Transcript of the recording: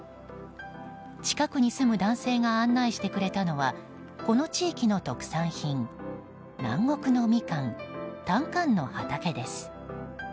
近くに住む男性が案内してくれたのはこの地域の特産品南国のミカン、タンカンの畑です。